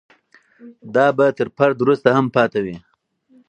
دا به تر فرد وروسته هم پاتې وي.